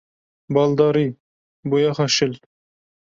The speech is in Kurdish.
Baldarî! Boyaxa şil.